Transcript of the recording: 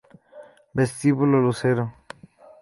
Vestíbulo Lucero